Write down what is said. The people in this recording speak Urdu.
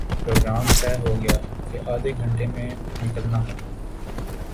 پروگرام طے ہو گیا کہ آدھےگھنٹے میں نکلنا ہے